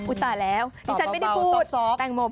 อุ๊ยต่อแล้วที่ฉันไม่ได้พูดแตงโมพูด